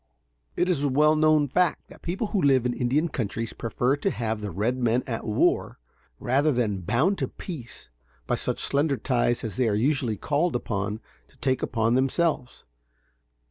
It is a well known fact that people who live in Indian countries prefer to have the red men at war, rather than bound to peace by such slender ties as they are usually called upon to take upon themselves.